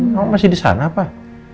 kamu masih disana pak